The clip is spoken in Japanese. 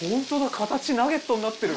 形ナゲットになってる。